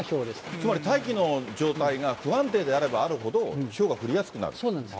つまり大気の状態が不安定であればあるほど、ひょうが降りやそうなんです。